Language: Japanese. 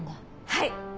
はい。